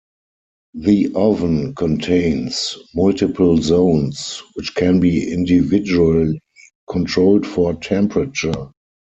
The oven contains multiple zones, which can be individually controlled for temperature.